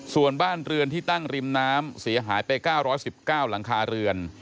ส่วนบ้านเรือนที่ตั้งริมน้ำเสียหายไป๙๑๙หลังคาเรือน